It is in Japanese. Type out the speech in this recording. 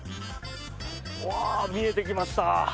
見えてきました。